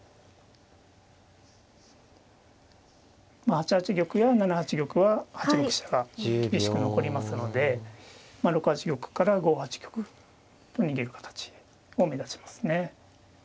８八玉や７八玉は８六飛車が厳しく残りますので６八玉から５八玉と逃げる形を目指しますね。